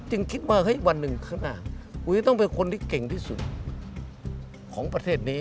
คิดว่าเฮ้ยวันหนึ่งข้างหน้าอุ๋ยต้องเป็นคนที่เก่งที่สุดของประเทศนี้